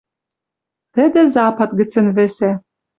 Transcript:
Тӹдӹ запад гӹцӹн вӹсӓ